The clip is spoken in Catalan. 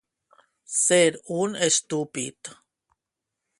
Ser un estúpid.